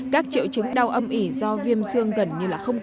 các triệu chứng đau âm ỉ do viêm xương gần như là không có